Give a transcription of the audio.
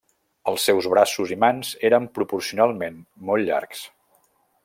Els seus braços i mans eren proporcionalment molt llargs.